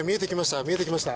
見えてきました。